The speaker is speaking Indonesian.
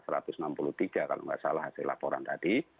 kalau tidak diberlakukan maka itu adalah hasil laporan tadi